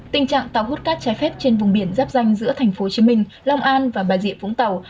tình trạng tàu hút cát trái phép trên vùng biển giáp danh giữa tp hcm long an và bà rịa vũng tàu